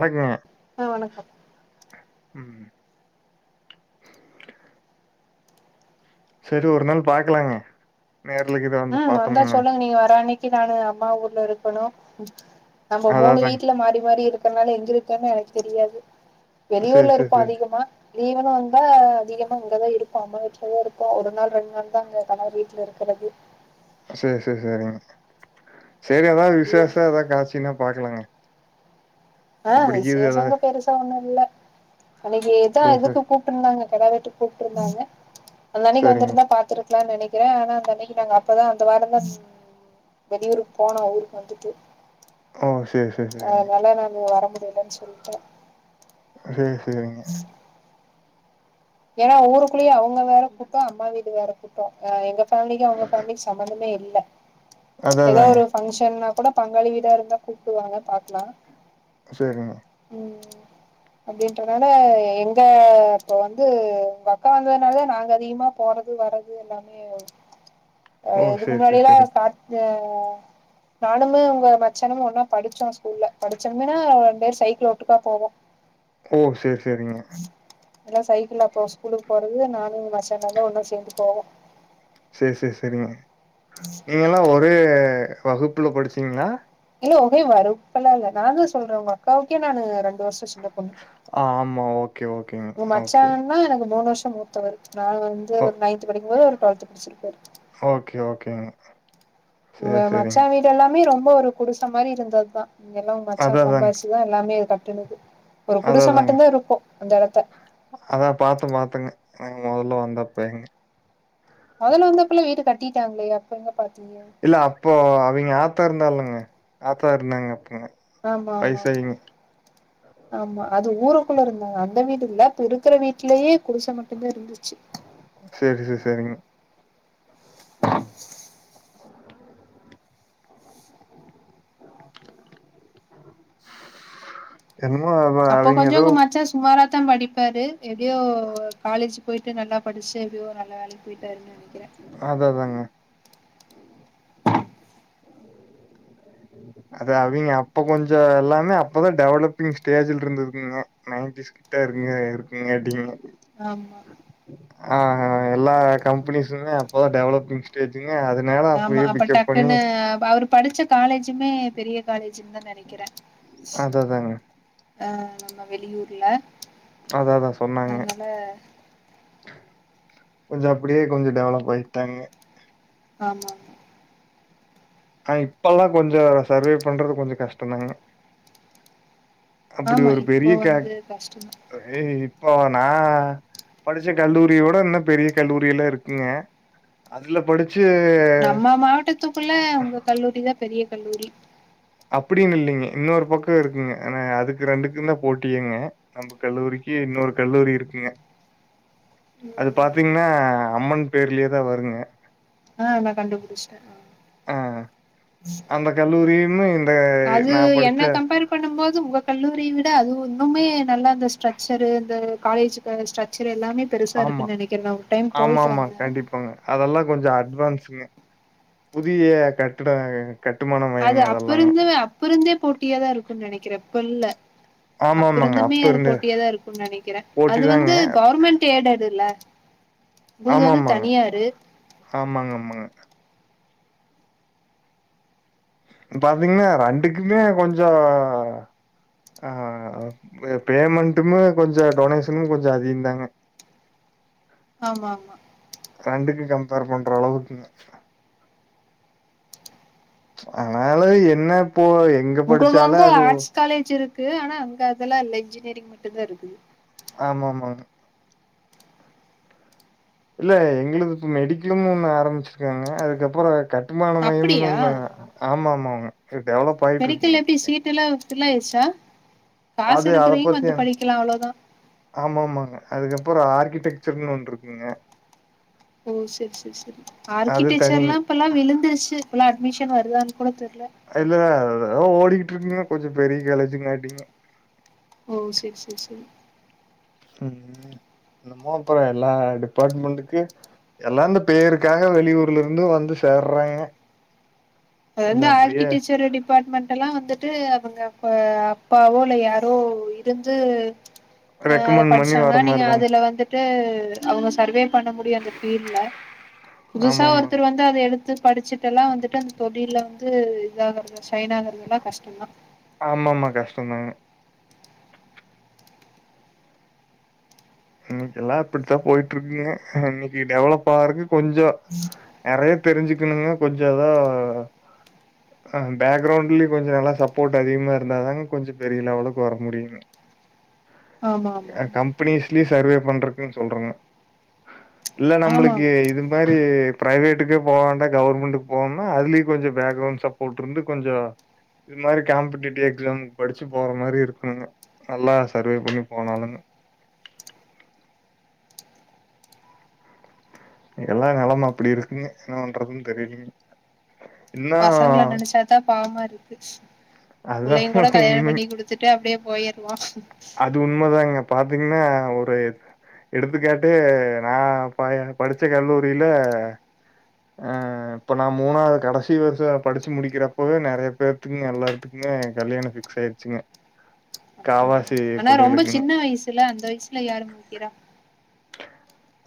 வணக்கங்க. அ வணக்கம் ம் ம் செரி ஒரு நாள் பாக்கலாங்க நேர்ல கீது வந்து ம் வந்தா பாத்தோம்னா. சொல்லுங்க நீங்க வர அன்னி க்கி நானு அம்மா ஊர்ல இருக்கணு நம்ம அதான் மூனு அதாங்க. வீட்ல மாறி மாறி இரு க்கற்னால எங்க இருக்கன் எனக் தெரியாது சரி, வெளியூர்ல சரி, இருப்போ சரி. அதிகமா லீவுனு வந்தா அதிகமா இங்கதா இருப்போ அம்மா வீட்லதா இருப்போ ஒரு நாள் ரெண் நாள் தா அங்க கணவர் வீட்ல இருக்கறது சேர் சேர் சேரிங்க சேரி எதாவ் விசேஷா எதா காட்சின்னா பாக்கலாங்க அ அப்படி கீது விசேஷோ ஏதாவது இங்க பெருசா ஒன்னு இல்ல அன்னிக்கி இதா சரி, இதுக்கு சரி. கூப்ட்ருந்தாங்க கெடாவெட்டுக் கூப்ட்ருந்தாங்க அந்த அன்னிக்கி சரிங்க. வந்திருந்தா பாத்திருக்லான் நெனைக்கிறே ஆனா அந்த அன்னிக்கி நாங்க அப்பதா இந்த வாரந்தா ம் வெளியூருக் போனோ ஊருக் வந்துட்டு ஓ சேர் சேர் சேரிங்க ம் வர முடிலன் சொல்ட்டே சேர் சேரிங்க ஏனா ஊருக்குளியே அவுங்க வேற கூட்டோ அம்மா வீடு வேற கூட்டோ அ எங்க ஃபேமிலிக்கு அவுங்க பேமிலிக் சம்மந்தமே இல்ல அதான் எதோ அதாங்க. ஒரு பங்ஷன்னா கூட பங்காளி வீடா இருந்தா கூப்டுவாங்க பாக்லா சேரிங்க ம் அப்டின்றனால எங்க அப்போ வ ந்து உங்கக்கா வந்ததுனாலதா நாங்க அதிகமா போறது வரது எல்லாமே அ ஓ! இதுக்கு சரி, முன்னாடி சரி, எல்லா சரி. சாட் அ நானுமு உங்க மச்சானுமு ஒன்னா படிச்சோ ஸ்கூல்ல படிச்சதுமே ரெண் பேர் சைக்கிள்ல ஒட்டுக்கா போவோ போ சேர் சேரிங்க எல்லா சைக்கிள்ல அப்போ ஸ்கூலுக் போறது நானு உங் மச்சாலாந்தா ஒன்னா சேந்து போவோ சே சே செரிங்க நீங்க எல்லா ஒரே வகுப்புல படிச்சிங்ளா இல்ல ஒகே வருப்பல்லா இல்ல நானு சொல்றே உங்க அக்காவுக்கே நானு ரெண்டு வருஷோ ஸ் சின்ன பொண்ணு ஆமா. ஓகே, ஓகேங்க. உ ஓகே. மச்சானன்னா எனக்கு மூனு வர்ஷ் த்தா மூத்தவரு நா வந்து ஓ ஒரு நைன்த் படிக்கும்போது அவுரு டுவல்த் படிச்சிருப்பாரு கேங்க உங்க மச்சா வீடு எல்லாமே ரொம்ப ஒரு குடிச மாரி இருந்தத்தா ம் எல்லா உ மச்சா அதான் அதாங்க. சம்பாரிச்சுதா எல்லாமே அது கட்டுணுது ஒரு அதான் குடுச அதாங்க. மட்டுந்தா இருக்கு அந்த எடத்த நாங் மொதல்ல வந்தப்பயாங்க மொதல்ல வந்தப்பலா வீடு கட்டிட்டாங்ளே அப்ப எங்க பா இல்ல அப்போ அவிங்க ஆத்தா இருந்தா இல்லங்க ஆத்தா இருந்தாங்க அப்பிங்க ஆமா ஆமா ஆமா ஆமா அது ஊருக்குள்ல இருந்தாங்க அந்த வீடு இல்ல இப்ப இருக்கற வீட்லியே குடுச மட்டுந்தா இருந்துச்சி சேர் செ செரிங்க [inaudible] அவ அப்போ அவிங்க கொஞ்சோ ஏதோ உங்க மாச்சா சுமாரா த்தா படிப்பாரு எப்டியோ காலேஜ் போயிட்டு நல்லா படிச்சு எப்டியோ நல்லா வேலைக்கு போயிட்டாருன் நெனைக்கிறே அதா அதாங்க அது அவங்க அப்ப கொஞ்ச எல்லாமே அப்பதா டெவலப்பிங் ஸ்டேஜ்ல இருந்ததுங்க நைன்டிஸ்கு தா இருங்க இருக்குங்க அப்டிங்கு ஆமா ஆ அ எல்லா கம்பெனிஸுமே அப்பதா டெவலப்பிங் ஸ்டேஜ் ஆமா அப்ப டக்குன்னு அவரு படிச்ச காலேஜுமே பெரிய காலேஜ் சின்ன நெனைக்கிறே அதா அதாங்க ஆ நம்ம வெளியூர்ல அத அதா சொன்னாங்க அதனால கொஞ்ச அப்டியே கொஞ்ச டெவலப் ஆயிட்டாங்க ஆமா ஆமா ஆ இப்பல்லா கொஞ்ச சர்வைவ் பண்றது கொஞ்ச கஷ்ட தாங்க அப்டி ஆமா, ஒரு இப்போ பெரிய கேக் வந்து கஷ்டந்தா அ ஏய் இப்போ நா படிச்ச கல்லூரியவிட இன்னு பெரிய கல்லூரி எல்லா இருக்குங்க அதுல படி நம்ம மாவட்டத்துக்குள்ள உங்க கல்லூரிதா பெரிய கல்லூரி அப்டின்னு இல்லைங்க இன்னொரு பக்க இருக்குங்க எனா அதுக்கு ரெண்டுக்கு தா போட்டியேங்க நம்ம கல்லூரிக்கு இன்னொரு கல்லூரி இருக்குங்க ம் அது ம் பாத்தீங்கன்னா அம்மன் பேர்லயே தா வருங்க ஆ நான் கண்டுபுடிச்ட்டே ஆ ஆ அந்த கல்லூரியுமே இந்த அது நான் படிச்ச என்ன கம்பேர் பண்ணும் போது உங்க கல்லூரி தா அது ஒன்னுமே நல்லா அந்த ஸ்ட்ரக்சரு இந்த காலேஜ்கான ஸ்ட்ரக்சர் எல்லாமே பெருசா ஆமா இருக்குன்னு நெனைக்கிறே நா ஒரு டைம் ஆமா போயிட்டு ஆமா வந்தே கண்டிப்பாங்க அதெல்லா கொஞ்ச அட்வான் ஸுங்க புதிய கட்டிடங்க அ அது அப்ப இருந்தே அப்ப இருந்தே போட்டியாதா இருக்குன் நெனைக்கிறே போல்ல ஆமாமாங்க. அப்பருந்தமே அப்ப அது இருந்தே போட்டியாதா இருக்கு நெனைக்கிறே போட்டி அது தாங்க. வந்து கவர்மெண்ட் ஏடடுல்ல ஆமாமாங்க ஆமாங்க ஆமாங்க பாத்தீங்கன்னா ரெண்டுக்குமே கொஞ்சோ ஆ பெ பேமெண்ட்டுமே கொஞ்ச டொனேஷனு கொஞ்ச அதிக தாங்க [inaudible] ஆமா ஆமா பேர் பண்ற அளவுக்குங்க ஆனாலு என்ன இப்போ எங்க அங்க வந்து படிச்சாலும் அது ஆர்ட்ஸ் காலேஜ் இருக்கு ஆனா அங்க அதெல்லா இல்ல இன்ஜினியரிங் மட்டுதா இருக்குது ஆமா ஆமாங்க இல்ல எங்களுது இப்ப மெடிக்கலுன்னு ஒண்ணு ஆரம்பிச்சிருக்காங்க அதுக்கப்புற கட் டுமான மையம்னு அப்படியா ஒண்ணுங்க ஆமா ஆமாங்க டெவலப் ஆயிட்டு இருக்குங்க அ ஃபுல்லா ஆய்ர்ச்சா அது அத பத்தி ஆமா ஆமாங்க அதுக்கப்புற ஆர்கிடெக் சர்னு ஒன் இருக்குங்க ஓ செரி செரி செரி அது தனிங்க. ஆர்கிடெக்சர்லா இப்பல்லா விழுந்துருச்சு இப்பல்லா அட்மிஷன் வருதான் இல்ல அது எதோ ஓடிக்கிட்டுருக்குங்க கொஞ்ச பெரிய கலேஜுங்க அப்டினு ஓ செரி செரி செரி ம் என்னமோ அப்புற எல்லா டிபார்ட்மெண்ட்டுக்கு எல்லா இந்த பேருக்காக வெளியூர்ல இருந்து வந்து சேர்றாங்க அ கொஞ்சோ வந்து அப்டியே ஆர்கிடெக்சர் டிபார்ட்மெண்ட் எல்லா வந்துட்டு அவங்க அப்ப அப்பாவோ இல்ல யாரோ இருந்து அ அத ரெக்கமெண்ட் பண்ணி வர படிச்சாங்கனா நீங்க மாரிதாங்க அதுல வந்துட்டு அவங்க சர்வே பண்ண முடியு அந்த ஃபீல்ட்ல புதுசா ஆமா ஆமாங்க ஒருத்தர் வந்து அத எடுத்து படிச்சுட்டு எல்லா வந்துட்டு அந்த தொழில வந்து இது ஆகறது சைனாகுறதுல்லா கஷ்டதா ஆமா ஆமா கஷ்டந்தாங்க இன்னைக்கெல்லா அப்டித்தா போய்ட்ருக்குங்க இன்னைக்கு டெவலப் ஆகறக்கு கொஞ்ச நறைய தெரிஞ்சுகணுங்க கொஞ்ச எதோ ஆ பேக்ரௌண்ட்லயு கொஞ்ச நல்லா சப்போர்ட் அதிகமா இருந்தாதாங் கொஞ்ச பெரிய லெவலுக்கு வர முடியுங்க ஆமா ஆமா அ கம்பெனிஸ்லயு சர்வே பண்றக்குங் சொல்றங்க இல்ல ஆமா நம்மளுக்கு ஆமா இது மாரி பிரைவேட்டுக்கே போவேண்டா கவர்மெண்ட்டுக்கு போவம்னா அதுலயு கொஞ்ச பேக்ரவுண்ட் சப்போட் இருந்து கொஞ்ச இது மாரி காம்படிட்டிவ் எக்ஸாம்க்கு படிச்சு போற மாரி இருக்ணுங்க நல்லா சர்வே பண்ணி போனாலுங்க எல்லா நெலம அப்டி இருக்குங்க என்ன பண்றதுன் தெரிலிங்க பசங்கள நெனைச்சாதா பாவமா இருக்கு அதுதான் புள்ளைங்க கூட கல்யாண உண்மை. பண்ணி குடுத்துட்டு அப்டியே போயர்வா அது உண்மதாங்க பாத்திங்னா ஒரு எடுத்துக்காட்டு நா ப படிச்ச கல்லூரில ஆ இப்ப நா மூணாவுது கடைசி வருஷ படிச்சு முடிக்கறப்பவே நறைய பேருத்துக்குங்க எல்லாத்துக்கு கல்யாண ஃபிக்ஸ் ஆயிருச்சுங்க காவாசி ஆனா ரொம்ப கொள்ளைகளுக்குங்க. சின்ன வயசுல அந்த வயசுல யாரு மூய்க்கெறா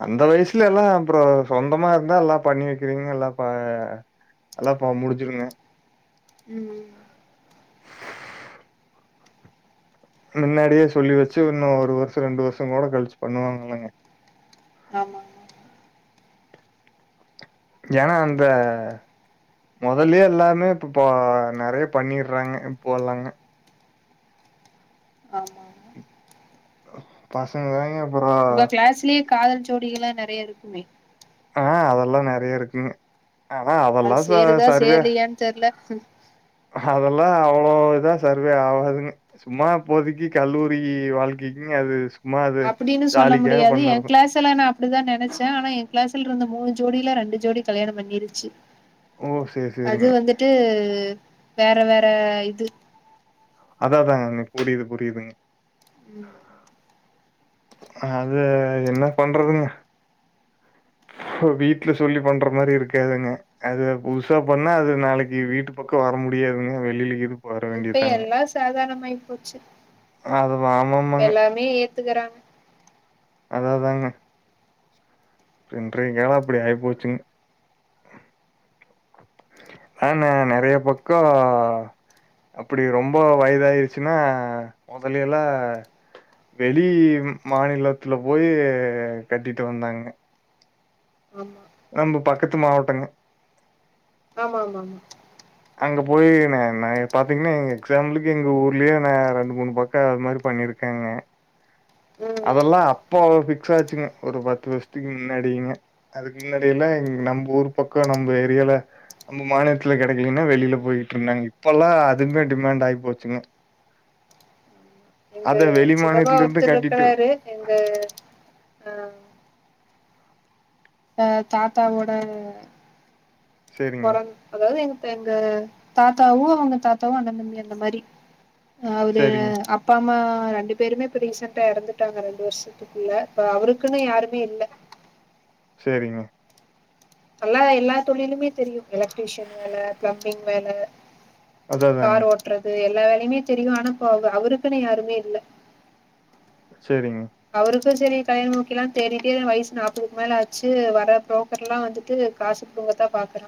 அந்த வயசுல எல்லா அப்ற சொந்தமா இருந்தா எல்லா பண்ணி வெக்கறிங்க எல்லா ப அதலா அப்ப முடிஞ்சுருங்க ம் ம் மின்னாடியே சொல்லி வச்சு இன்னு ஒரு வருஷ ரெண்டு வருஷங் கோட கழிச்சு பண்ணுவாங் இல்லங்க ஆமாங்க ஏனா அந்த மொதல்லயே எல்லாமே இப்ப ப நறைய பண்ணிர்றாங்க இப்போலாங்க ஆமா ஆமா பசங்கதாங்க உங்க கிளாஸ்லயே காதல் ஜோடிகள்லா நறைய இருக்குமே ஆ அதெலா நறைய இருக்குங்க ஆனா அது அதெலா ச சேருதா சர்வே சேர்லையான்னு தெர்ல அதெல்லா அவ்ளோ இதா சர்வே ஆகாதுங்க சும்மா இப்போதக்கி கல்லூரிக்கு வாழ்க்கை ங்க அது சும்மா அது அப்பிடினு சொல்ல ஜாலிக்காக முடியாது எ பண்றது. கிளாஸ்ல நா அப்பிடிதா நெனைச்சே ஆனா எ கிளாஸ்ல இருந்த மூணு ஜோடிலா ரெண்டு ஜோடி கல்யாண பண்ணிருச்சு ஓ! சரி, அது சரிங்க. வந்துட்டு வேற வேற இது அதா அதாங்க எனக்கு புரியுது புரியுதுங்க ம் அது என்ன பண்றதுங்க வீட்ல சொல்லி பண்ற மாரி இருக்காதுங்க அது புதுசா பண்ணா அது நாளைக்கு வீட்டு பக்க வர முடி யாதுங்க வெளில கீது வர இப்ப வேண்டியதுதாங்க. எல்லா சாதாரணமாயி போச்சு அது ஆமாமாங்க ஒத்துக்குறாங்க அதாதாங்க அப்ற இன்றைய கால அப்டி ஆயிப்போச்சுங்க ஆன நெறைய பக்கோ அப்புடி ரொம்ப வயதாயிருச்சுனா மொதல்லியெலா வெளி மாநிலத்துல போயி கட்டிட்டு வந்தாங்க ஆமா நம்ம பக்கத்து மாவட்டங்க ஆமா ஆமாங்க அங்க போயி நா நாய பாத்திங்கனா எக்ஸாம்பிளுக்கு எங்க ஊர்லயே நா ரெண்டு மூணு பக்க அது மாரி பண்ணிருக் காங்க ம் ம் அதெல்லா அப்போ பிக்சாச்சுங்க ஒரு பத்து வஷத்துக்கு முன்னாடிங்க அதுக்கு மின்னாடியலேங் நம்போஊர் பக்கொ நம்ப ஏரியால நம்ப மாநிலத்துல கெடைக்கலைன்னா வெளில போயிட்டுருந்தாங்க இப்போல்லா அதுக்மே டிமாண்ட் ஆயிபோச்சுங்க அத வெளி மாநிலத்துலிருந்து கட்டிட் சாரு எங்க ஆ த தாத்தாவோட சரிங்க, பொறந் அதாவது எங்க தங்க தாத்தாவு தாத்தாவு அண்ண தம்பி அந்த மாரி அவ்ரு சரிங்க, அப்பாம்மா அ ரெண்டு பேருமே இப்ப ரீசெண்டா எறந்துட்டாங்க ரெண்டு வருஷத்துக்குள்ள இப்ப அவருக்குன்னு யாருமே இல்ல சேரிங்கொ நல்லா எல்லா தொழிலுமே தெரியு எலக்ட்ரிஷியன் வேல பிளம்பிங் வேல அதா அதாங்க. கார் ஓட்றது எல் எல்லா வேலையுமே தெரியு ஆனா இப்ப அவ்ருக்குன்னு யாருமே இல்ல செரிங்க ப்ப சேரி கல்யாண முக்கிலான்னு தேடிட்டே வயசு நாப்பதுக்கு மேல ஆச்சு வர புரோக்கர்லா வந்துட்டு காசு புடு ப்பத்தா பாக்குறா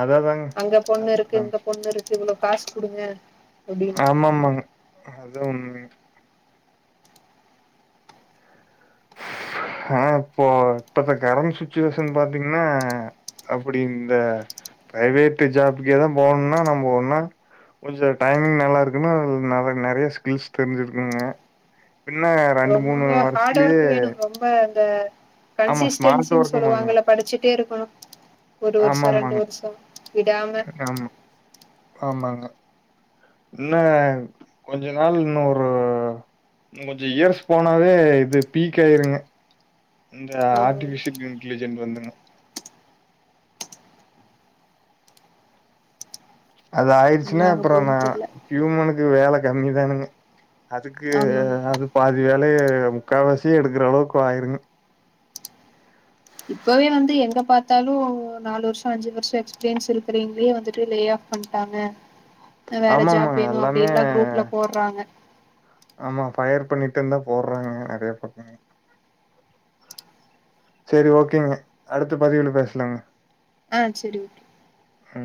அதா அதாங்க. அங்க எல்லாம் பொண்ணுருக்கு அப்படிதாங்க. இங்க பொண்ணுருக்கு இவ்ளோ காஸ் குடுங்க அப்டின்னு ஆமாமாங் அதா உண்மங்க ஹா இப்போ இப்பத்த கரண்ட் சுச்சுவேஷன் பாத்தீங்கன்னா அப்டி இந்த பிரைவேட்டு ஜாப்புக்கேதா போணுன்னா நம்போ ஒன்னா கொஞ்சோ டைம் நல்லாருக்கனு ந நெற நெறைய ஸ்கில்ஸ் தெரிஞ்சிருக்குங்க பின்ன ரெண்டு மூணு வர்சுக்லே ப்ப இந்த கன்சிஸ்டன்சின்னு ஒர்க் பண்ணுங்க. சொல்லுவாங்கல படிச்சிட்டேருக்கணு ஒரு வருஷோ ரெண்டு ஆமாமாங்க. வருஷோ விடாம இன்ன கொஞ்ச நாள் இன்னோரு கொஞ்ச இயர்ஸ் போனாவே இது பீக்காயிருங்க இந்த ஆமா ஆமா ஆர்ட்டிபிஷியல் இன்கிலிஜென்ட் வந்துங்க அது என்ன ஆயிருச்சுனா ஆக அப்பறோ நா போதுன்னு தெர்ல இவுங்களுக்கு வேல கம்மிதானுங்க அதுக்கு ஆமா ஆமா அது பாதி வேல் லே முக்காவாசி எடுக்குற அளவுக்கு ஆயிருங் இப்பவே வந்து எங்க பாத்தாலு நாலு வருஷோ அஞ்சு வர்ஷோ எக்ஸ்ப்ரியன்ஸ் இருக்கற எங்களே வந்துட்டு லேஆஃப் பண்ட்டாங்க வேற ஆமா ஜாப் ஆமாங்க வேணு எல்லாமே அப்டின்லா குரூப்ல போட்றாங்க ஆமா பயர் பண்ணிட்டிந்தா போட்றாங்க நெறைய பக்கங்க செரி ஓகேங்க அடுத்த பதிவுல பேசுலாங்க ஆ செரிங் உம்